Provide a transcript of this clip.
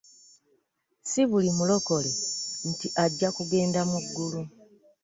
Si buli mulokole nti ajja kugenda mu ggulu.